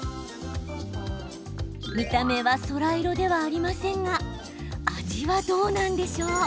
見た目は、空色ではありませんが味はどうなんでしょう？